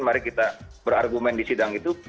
mari kita berargumen di sidang itu